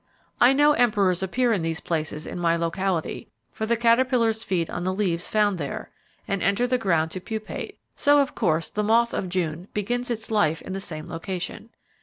I know Emperors appear in these places in my locality, for the caterpillars feed on leaves found there, and enter the ground to pupate; so of course the moth of June begins its life in the same location.